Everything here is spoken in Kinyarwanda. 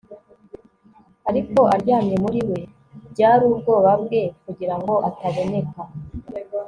ariko aryamye muri we. byari ubwoba bwe, kugira ngo ataboneka